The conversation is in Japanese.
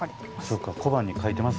そっか小判に書いてます